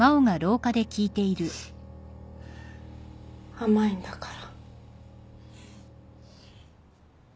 甘いんだから。